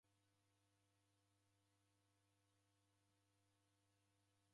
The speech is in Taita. W'andu kulomba ghipoie